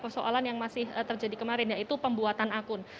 persoalan yang masih terjadi kemarin yaitu pembuatan akun